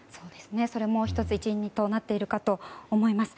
それも一因となっているかと思います。